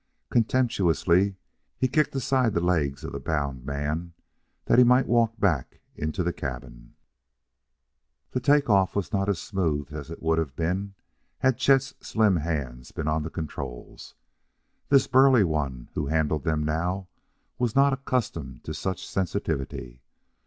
Contemptuously he kicked aside the legs of the bound man that he might walk back into the cabin. The take off was not as smooth as it would have been had Chet's slim hands been on the controls; this burly one who handled them now was not accustomed to such sensitivity.